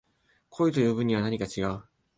恋と呼ぶにはなにか違う